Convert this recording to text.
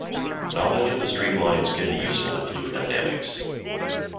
Knowledge of the streamlines can be useful in fluid dynamics.